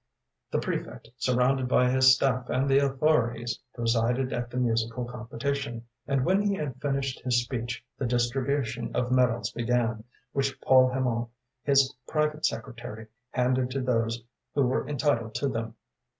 The prefect, surrounded by his staff and the authorities, presided at the musical competition, and when he had finished his speech the distribution of medals began, which Paul Hamot, his private secretary, handed to those who were entitled to them.